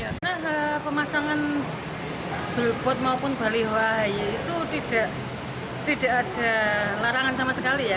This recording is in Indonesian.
karena pemasangan bilbot maupun baliho ahi itu tidak ada larangan sama sekali ya